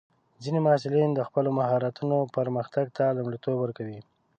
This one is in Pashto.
ځینې محصلین د خپلو مهارتونو پرمختګ ته لومړیتوب ورکوي.